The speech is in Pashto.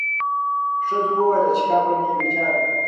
ښځو وویل چې قبر یې ویجاړ دی.